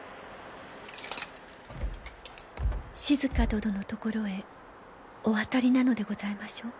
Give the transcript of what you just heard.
静殿のところへお渡りなのでございましょう？